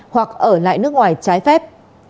hoặc ở lại nước ngoài trái phép